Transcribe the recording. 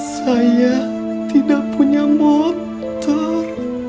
saya tidak punya motor